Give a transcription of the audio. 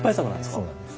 そうなんです。